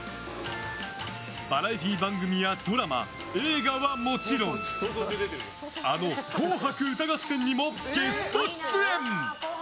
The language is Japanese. バラエティー番組やドラマ、映画はもちろんあの「紅白歌合戦」にもゲスト出演。